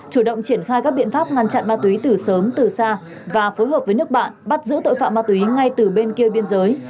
chủ động triển khai các biện pháp ngăn chặn ma túy từ sớm từ xa và phối hợp với nước bạn bắt giữ tội phạm ma túy ngay từ bên kia biên giới